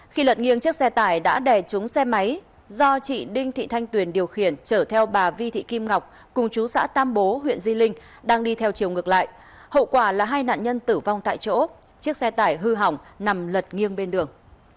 khi lật nghiêng chiếc xe tải đã đè trúng xe máy do chị đinh thị thanh tuyền điều khiển chở theo bà vi thị kim ngọc cùng chú xã tam bố huyện di linh đang đi theo chiều ngược lại hậu quả là hai nạn nhân tử vong tại chỗ chiếc xe tải hư hỏng nằm lật nghiêng bên đường